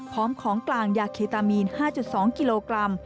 ของกลางยาเคตามีน๕๒กิโลกรัม